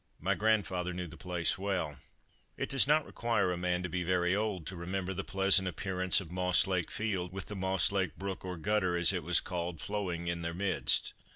My grandfather knew the place well. It does not require a man to be very old to remember the pleasant appearance of Moss Lake Fields, with the Moss Lake Brook, or Gutter, as it was called, flowing in their midst.